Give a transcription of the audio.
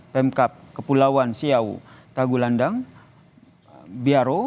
pemkap kepulauan siau tagulandang biaro